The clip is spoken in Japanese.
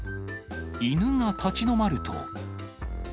犬が立ち止まると。